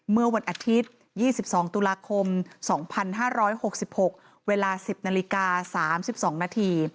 เมื่อวันอาทิตย์๒๒ตุลาคม๒๕๖๖เวลา๑๐นาฬิกา๓๒นาที